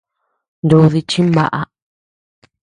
Ndudí chimbaʼa.